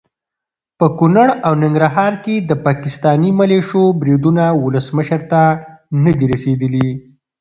په کنړ او ننګرهار کې د پاکستاني ملیشو بریدونه ولسمشر ته ندي رسېدلي.